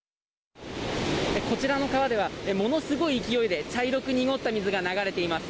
こちらの川ではものすごい勢いで茶色く濁った水が流れています。